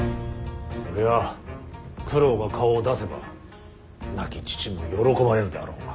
それは九郎が顔を出せば亡き父も喜ばれるであろうが。